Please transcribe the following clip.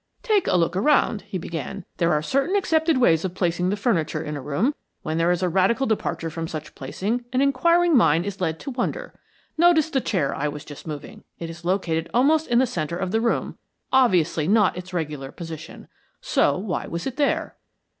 "Take a look around," he began. "There are certain accepted ways of placing the furniture in a room. When there is a radical departure from such placing, an inquiring mind is led to wonder. Notice the chair I was just moving. It is located almost in the center of the room obviously not its regular position. So why was it there?"